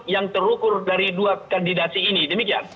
yang terukur dari dua kandidasi ini demikian